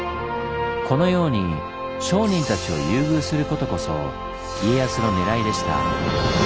このように商人たちを優遇することこそ家康のねらいでした。